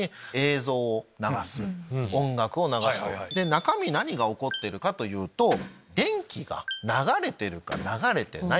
中身何が起こってるかというと電気が流れてるか流れてないか。